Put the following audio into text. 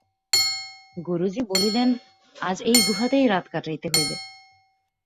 গুরুজি বলিলেন, আজ এই গুহাতেই রাত কাটাইতে হইবে।